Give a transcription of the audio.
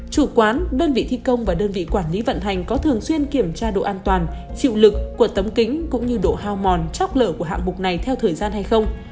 chủ quán đơn vị thi công và đơn vị quản lý vận hành có thường xuyên kiểm tra độ an toàn chịu lực của tấm kính cũng như độ hao mòn chóc lở của hạng mục này theo thời gian hay không